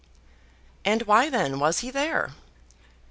And why then was he there?